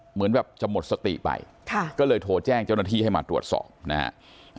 เหมือนแบบจะหมดสติไปก็เลยโทรแจ้งเจ้าหน้าที่ให้มาตรวจสอบนะฮะ